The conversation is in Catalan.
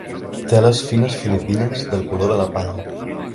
Teles fines filipines del color de la palla.